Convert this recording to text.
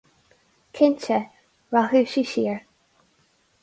Cinnte, rachadh sí siar.